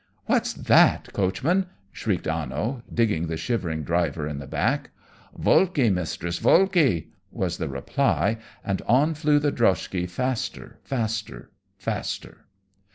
"What's that, coachman?" shrieked Anno, digging the shivering driver in the back. "Volki, mistress, volki!" was the reply, and on flew the droshky faster, faster, faster!